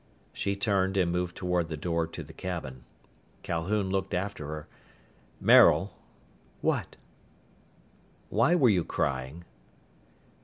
She turned and moved toward the door to the cabin. Calhoun looked after her. "Maril." "What?" "Why were you crying?"